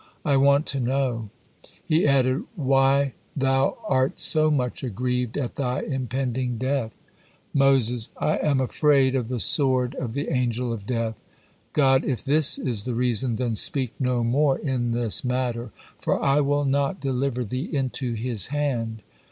I want to know," He added, "why thou are so much aggrieved at thy impending death." Moses: "I am afraid of the sword of the Angel of Death." God: "If this is the reason then speak no more in this matter, for I will not deliver thee into his hand."